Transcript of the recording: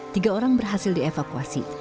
tiga orang berhasil dievakuasi